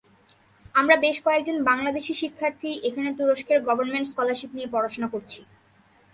আমরা বেশ কয়েকজন বাংলাদেশি শিক্ষার্থী এখানে তুরস্কের গভর্নমেন্ট স্কলারশিপ নিয়ে পড়াশোনা করছি।